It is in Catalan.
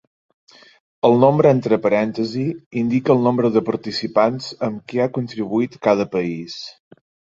El nombre entre parèntesi indica el nombre de participants amb què ha contribuït cada país.